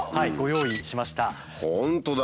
本当だ。